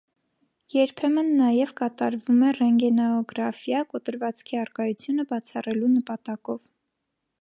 Երբեմն նաև կատարվում է ռենտգենոգրաֆիա՝ կոտրվածքի առկայությունը բացառելու նպատակով։